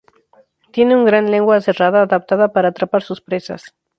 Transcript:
Tiene una gran lengua aserrada, adaptada para atrapar sus presas.